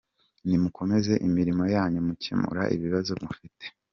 Nimukomeze imirimo yanyu mukemura ibibazo mufite.